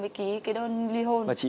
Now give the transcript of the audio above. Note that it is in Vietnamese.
em gái của chị